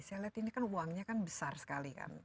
saya lihat ini kan uangnya kan besar sekali kan